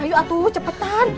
ayo atuh cepetan